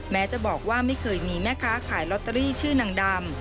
แม้จะบอกว่าไม่เคยมีแม่ค้าขายลอตเตอรี่ชื่อนางดำ